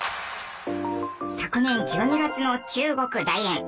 昨年１２月の中国大連。